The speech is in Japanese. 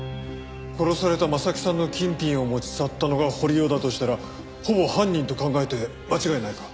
殺された征木さんの金品を持ち去ったのが堀尾だとしたらほぼ犯人と考えて間違いないか。